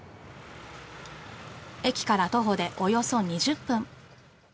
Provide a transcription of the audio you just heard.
駅から徒歩でおよそ２０分。